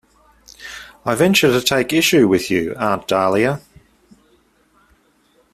I venture to take issue with you, Aunt Dahlia.